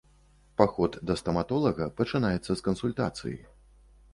Паход да стаматолага пачынаецца з кансультацыі.